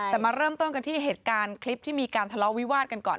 แต่มาเริ่มต้นกันที่เหตุการณ์คลิปที่มีการทะเลาะวิวาดกันก่อน